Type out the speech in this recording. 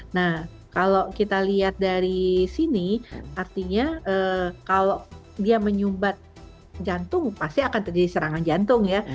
nah kalau kita lihat dari sini artinya kalau dia menyumbat jantung pasti akan terjadi serangan jantung ya